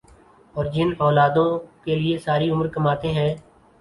اور جن اولادوں کے لیئے ساری عمر کماتے ہیں